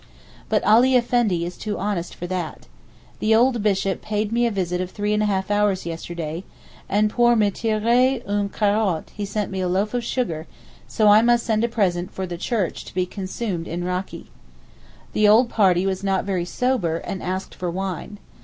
But Ali Effendi is too honest for that. The old bishop paid me a visit of three and a half hours yesterday, and pour me tirer une carotte he sent me a loaf of sugar, so I must send a present 'for the church' to be consumed in raki. The old party was not very sober, and asked for wine.